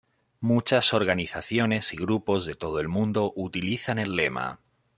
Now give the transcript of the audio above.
Muchas organizaciones y grupos de todo el mundo utilizan el lema.